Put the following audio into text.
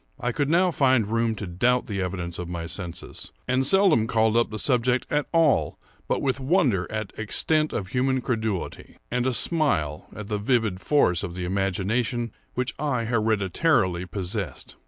I could now find room to doubt the evidence of my senses; and seldom called up the subject at all but with wonder at extent of human credulity, and a smile at the vivid force of the imagination which I hereditarily possessed.